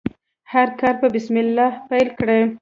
هر کار په بسم الله پیل کړئ.